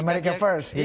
amerika first gitu ya